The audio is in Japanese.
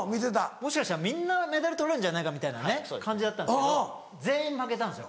もしかしたらみんなメダル取るんじゃないかみたいな感じだったんですけど全員負けたんですよ。